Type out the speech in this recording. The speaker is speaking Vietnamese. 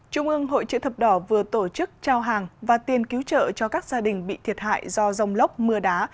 trung ương hội chữ thập đỏ vừa tổ chức trao hàng và tiền cứu trợ cho các gia đình bị thiệt hại do dòng lốc mưa đá